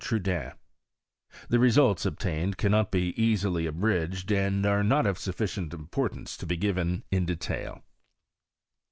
Trudaine. The results obtained cannot be easily abridged, and are not of sufficient importance to be given in detail.